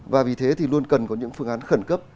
và vì thế thì luôn cần có những phương án khẩn cấp